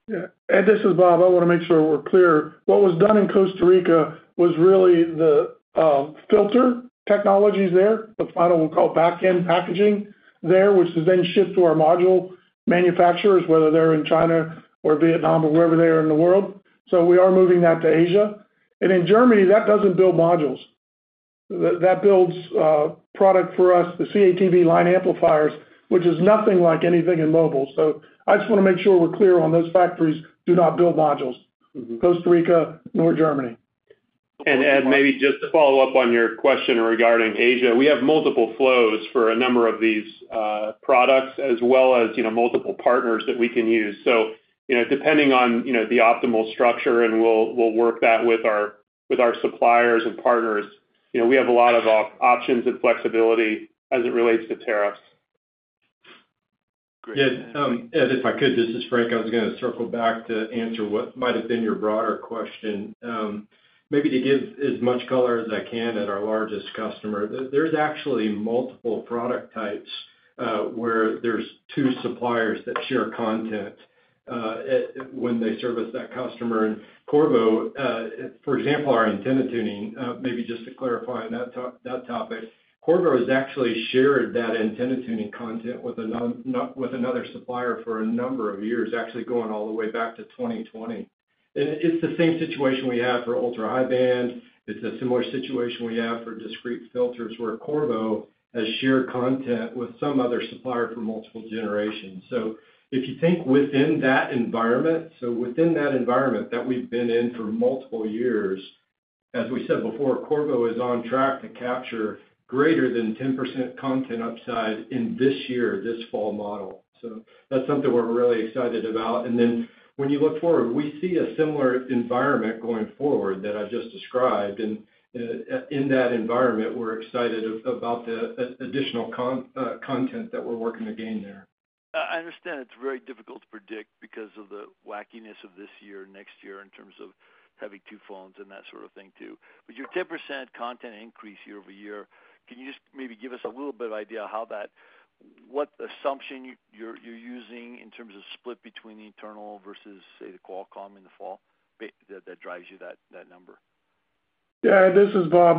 Yeah. Ed, this is Bob. I want to make sure we're clear. What was done in Costa Rica was really the filter technologies there, the final, we'll call backend packaging there, which is then shipped to our module manufacturers, whether they're in China or Vietnam or wherever they are in the world. We are moving that to Asia. In Germany, that does not build modules. That builds product for us, the CATV line amplifiers, which is nothing like anything in mobile. I just want to make sure we're clear on those factories do not build modules. Costa Rica, nor Germany. Ed, maybe just to follow up on your question regarding Asia, we have multiple flows for a number of these products as well as multiple partners that we can use. Depending on the optimal structure, we'll work that with our suppliers and partners. We have a lot of options and flexibility as it relates to tariffs. Yeah. Ed, if I could, this is Frank. I was going to circle back to answer what might have been your broader question. Maybe to give as much color as I can at our largest customer, there's actually multiple product types where there's two suppliers that share content when they service that customer. And Qorvo, for example, our antenna tuning, maybe just to clarify on that topic, Qorvo has actually shared that antenna tuning content with another supplier for a number of years, actually going all the way back to 2020. It's the same situation we have for ultra high band. It's a similar situation we have for discrete filters where Qorvo has shared content with some other supplier for multiple generations. If you think within that environment, within that environment that we've been in for multiple years, as we said before, Qorvo is on track to capture greater than 10% content upside in this year, this fall model. That's something we're really excited about. When you look forward, we see a similar environment going forward that I just described. In that environment, we're excited about the additional content that we're working to gain there. I understand it's very difficult to predict because of the wackiness of this year, next year in terms of having two phones and that sort of thing too. Your 10% content increase year over year, can you just maybe give us a little bit of idea how that, what assumption you're using in terms of split between the internal versus, say, the Qualcomm in the fall that drives you that number? Yeah. This is Bob.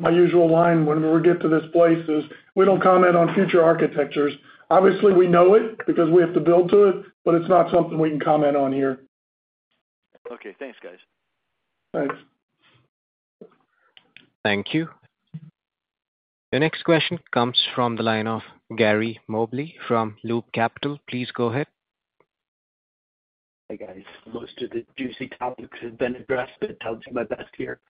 My usual line when we get to this place is we don't comment on future architectures. Obviously, we know it because we have to build to it, but it's not something we can comment on here. Okay. Thanks, guys. Thanks. Thank you. The next question comes from the line of Gary Mobley from Loop Capital. Please go ahead. Hey, guys. Most of the juicy topics have been addressed, but I'll do my best here.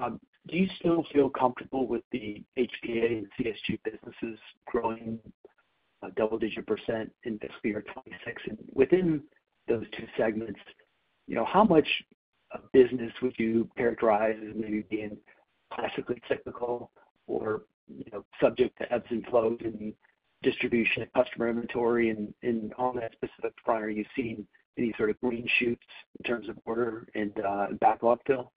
Do you still feel comfortable with the HPA and CSG businesses growing a double-digit % in fiscal year 2026? Within those two segments, how much of business would you characterize as maybe being classically technical or subject to ebbs and flows in distribution of customer inventory and on that specific prior? You've seen any sort of green shoots in terms of order and backlog, Phil?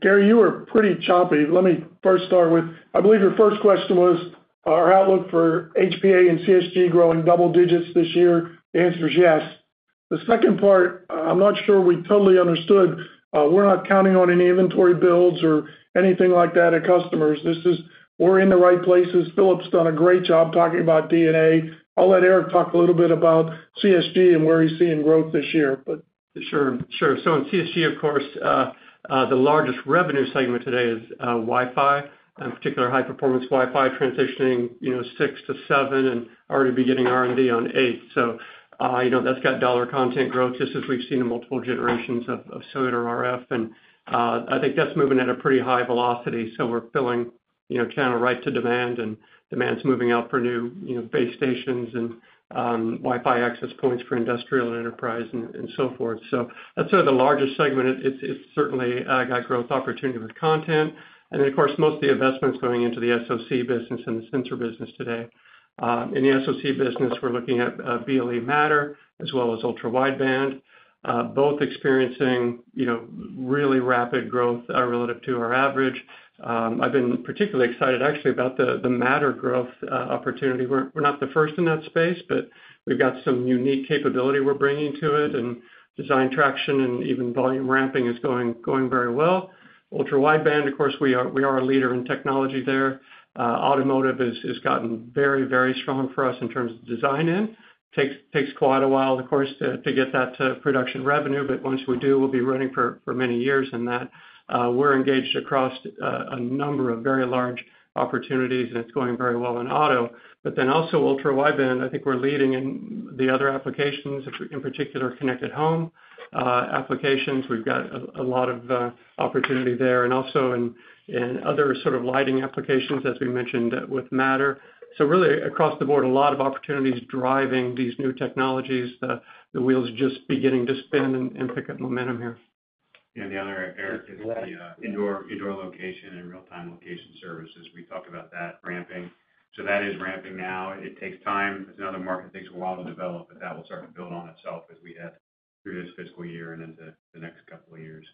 Gary, you were pretty choppy. Let me first start with, I believe your first question was our outlook for HPA and CSG growing double digits this year. The answer is yes. The second part, I'm not sure we totally understood. We're not counting on any inventory builds or anything like that at customers. This is we're in the right places. Philip's done a great job talking about D&A. I'll let Eric talk a little bit about CSG and where he's seeing growth this year, but. Sure. Sure. In CSG, of course, the largest revenue segment today is Wi-Fi, in particular, high-performance Wi-Fi transitioning 6 to 7 and already beginning R&D on 8. That has dollar content growth just as we have seen in multiple generations of cellular RF. I think that is moving at a pretty high velocity. We are filling channel right to demand, and demand is moving out for new base stations and Wi-Fi access points for industrial and enterprise and so forth. That is the largest segment. It certainly has growth opportunity with content. Most of the investment is going into the SoC business and the sensor business today. In the SoC business, we are looking at BLE Matter as well as ultra-wideband, both experiencing really rapid growth relative to our average. I have been particularly excited, actually, about the Matter growth opportunity. We're not the first in that space, but we've got some unique capability we're bringing to it. Design traction and even volume ramping is going very well. Ultra-wideband, of course, we are a leader in technology there. Automotive has gotten very, very strong for us in terms of design in. It takes quite a while, of course, to get that to production revenue, but once we do, we'll be running for many years. We're engaged across a number of very large opportunities, and it's going very well in auto. Ultra-wideband, I think we're leading in the other applications, in particular, connected home applications. We've got a lot of opportunity there and also in other sort of lighting applications, as we mentioned, with Matter. Really, across the board, a lot of opportunities driving these new technologies. The wheel's just beginning to spin and pick up momentum here. The other, Eric, is the indoor location and real-time location services. We talked about that ramping. That is ramping now. It takes time. It's another market that takes a while to develop, but that will start to build on itself as we head through this fiscal year and into the next couple of years.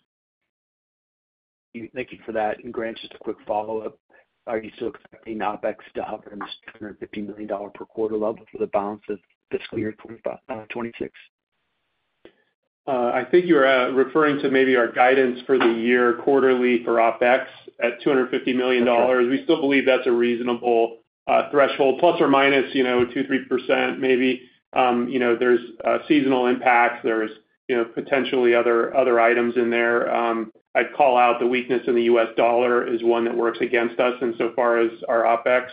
Thank you for that. Grant, just a quick follow-up. Are you still expecting OpEx to hover in this $250 million per quarter level for the balance of fiscal year 2026? I think you were referring to maybe our guidance for the year quarterly for OpEx at $250 million. We still believe that's a reasonable threshold, plus or minus 2-3% maybe. There are seasonal impacts. There are potentially other items in there. I'd call out the weakness in the US dollar is one that works against us insofar as our OpEx,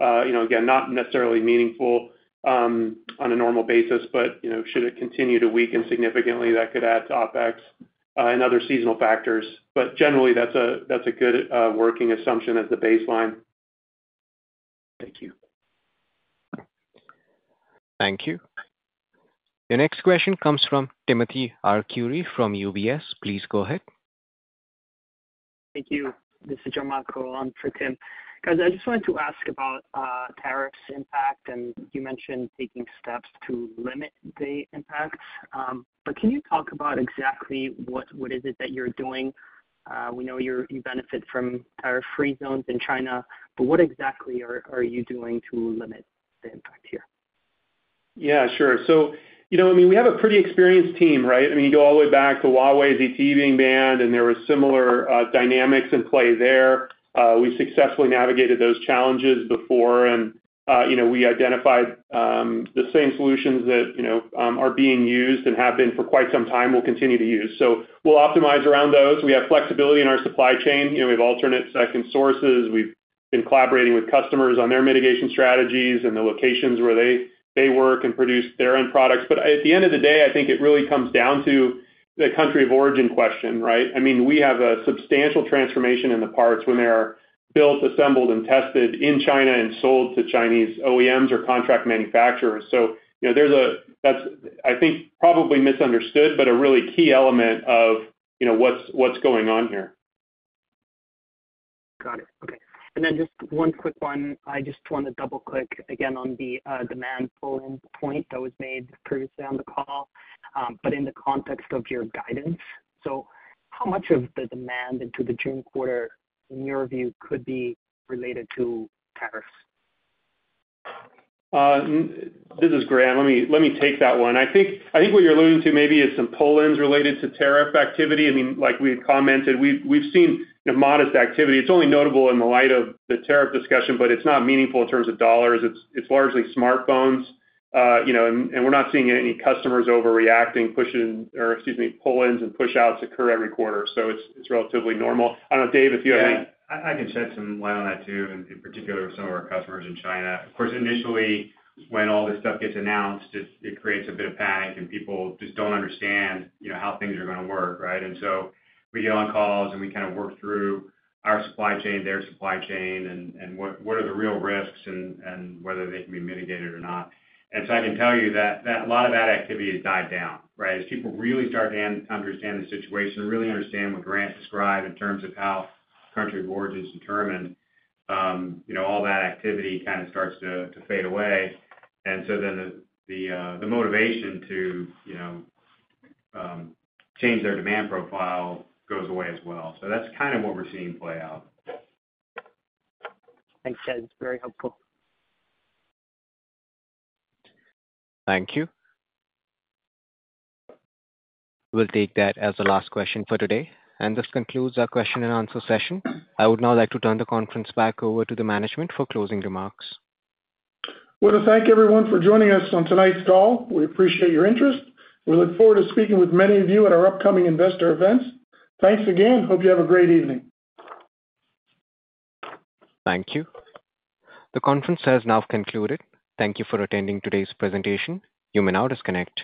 again, not necessarily meaningful on a normal basis, but should it continue to weaken significantly, that could add to OpEx and other seasonal factors. Generally, that's a good working assumption as the baseline. Thank you. Thank you. The next question comes from Timothy Arcuri from UBS. Please go ahead. Thank you, Marcus Yang I'm for Tim. Guys, I just wanted to ask about tariffs' impact, and you mentioned taking steps to limit the impacts. Can you talk about exactly what is it that you're doing? We know you benefit from tariff-free zones in China, but what exactly are you doing to limit the impact here? Yeah, sure. I mean, we have a pretty experienced team, right? I mean, you go all the way back to Huawei's ET being banned, and there were similar dynamics in play there. We successfully navigated those challenges before, and we identified the same solutions that are being used and have been for quite some time and will continue to use. We will optimize around those. We have flexibility in our supply chain. We have alternate second sources. We have been collaborating with customers on their mitigation strategies and the locations where they work and produce their end products. At the end of the day, I think it really comes down to the country of origin question, right? I mean, we have a substantial transformation in the parts when they are built, assembled, and tested in China and sold to Chinese OEMs or contract manufacturers. There is a, I think, probably misunderstood, but a really key element of what is going on here. Got it. Okay. And then just one quick one. I just want to double-click again on the demand pulling point that was made previously on the call, but in the context of your guidance. How much of the demand into the June quarter, in your view, could be related to tariffs? This is Grant. Let me take that one. I think what you're alluding to maybe is some pull-ins related to tariff activity. I mean, like we had commented, we've seen modest activity. It's only notable in the light of the tariff discussion, but it's not meaningful in terms of dollars. It's largely smartphones. We're not seeing any customers overreacting, pushing, or excuse me, pull-ins and push-outs occur every quarter. It's relatively normal. I don't know, Dave, if you have any. Yeah. I can shed some light on that too, in particular with some of our customers in China. Of course, initially, when all this stuff gets announced, it creates a bit of panic, and people just do not understand how things are going to work, right? We get on calls, and we kind of work through our supply chain, their supply chain, and what are the real risks and whether they can be mitigated or not. I can tell you that a lot of that activity has died down, right? As people really start to understand the situation, really understand what Grant described in terms of how country of origin is determined, all that activity kind of starts to fade away. The motivation to change their demand profile goes away as well. That is kind of what we are seeing play out. Thanks, guys. Very helpful. Thank you. We'll take that as the last question for today. This concludes our question and answer session. I would now like to turn the conference back over to the management for closing remarks. Want to thank everyone for joining us on tonight's call. We appreciate your interest. We look forward to speaking with many of you at our upcoming investor events. Thanks again. Hope you have a great evening. Thank you. The conference has now concluded. Thank you for attending today's presentation. You may now disconnect.